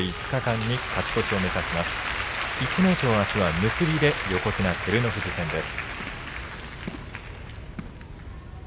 逸ノ城、あすの結びで照ノ富士戦です。